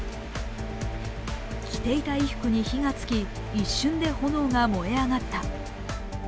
着ていた衣服に火がつき、一瞬で炎が燃え上がった。